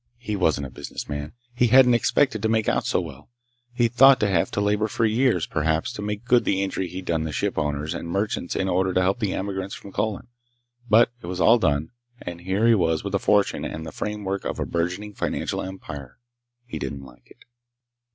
He wasn't a business man. He hadn't expected to make out so well. He'd thought to have to labor for years, perhaps, to make good the injury he'd done the ship owners and merchants in order to help the emigrants from Colin. But it was all done, and here he was with a fortune and the framework of a burgeoning financial empire. He didn't like it.